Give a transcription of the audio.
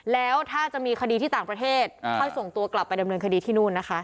แล้วถ้าจะมีคดีที่ต่างประเทศค่อยส่งตัวกลับไปดำเนินคดีที่นู่นนะคะ